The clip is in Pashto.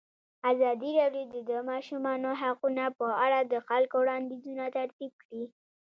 ازادي راډیو د د ماشومانو حقونه په اړه د خلکو وړاندیزونه ترتیب کړي.